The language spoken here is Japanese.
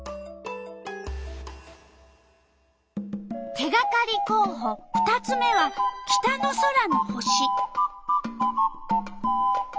手がかりこうほ２つ目は北の空の星。